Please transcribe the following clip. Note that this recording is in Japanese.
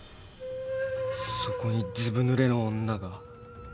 そこにずぶぬれの女が。